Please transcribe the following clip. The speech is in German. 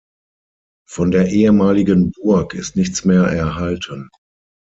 Von der ehemaligen Burg ist nichts mehr erhalten.